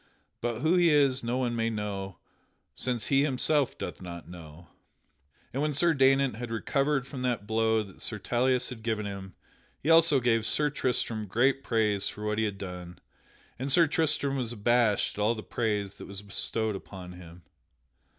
But who he is no one may know, since he himself doth not know." And when Sir Daynant had recovered from that blow that Sir Tauleas had given him, he also gave Sir Tristram great praise for what he had done. And Sir Tristram was abashed at all the praise that was bestowed upon him.